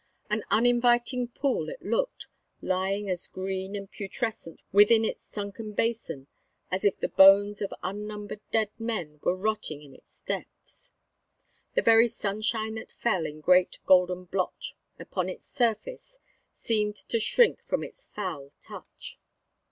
An uninviting pool it looked, lying as green and putrescent within its sunken basin as if the bones of unnumbered dead men were rotting in its depths. The very sunshine that fell in great golden blotch upon its surface seemed to shrink from its foul touch.